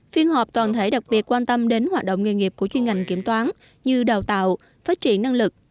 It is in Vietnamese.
phiên họp toàn thể đặc biệt quan tâm đến hoạt động nghề nghiệp của chuyên ngành kiểm toán như đào tạo phát triển năng lực